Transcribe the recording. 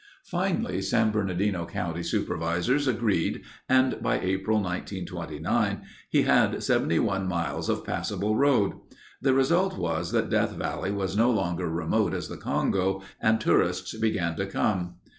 Finally San Bernardino county supervisors agreed and by April, 1929, he had 71 miles of passable road. The result was that Death Valley was no longer remote as the Congo and tourists began to come.